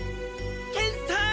ケンさん